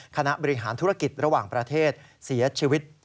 คณะบริหารธุรกิจระหว่างประเทศเสียชีวิต